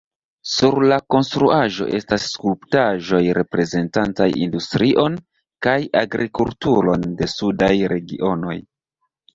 Sur la konstruaĵo estas skulptaĵoj, reprezentantaj industrion kaj agrikulturon de sudaj regionoj.